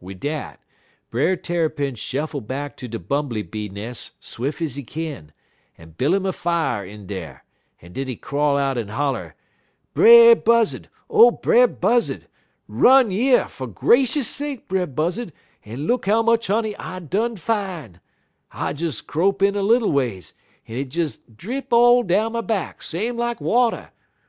Wid dat, Brer Tarrypin shuffle back ter de bumbly bee nes' swif' ez he kin, en buil' 'im a fier in dar, en den he crawl out en holler: "'Brer Buzzud! O Brer Buzzud! Run yer, fer gracious sake, Brer Buzzud, en look how much honey I done fine! I des crope in a little ways, en it des drip all down my back, same like water.